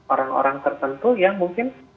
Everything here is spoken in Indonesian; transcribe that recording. orang orang tertentu yang mungkin